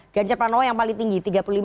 ganjar pranowo yang paling tinggi